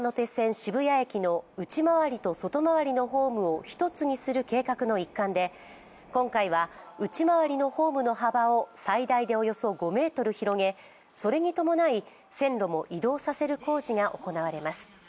渋谷駅の内回りと外回りのホームを１つにする計画の一環で今回は内回りのホームの幅を最大でおよそ５ｍ広げそれに伴い線路も移動させる工事が行われます。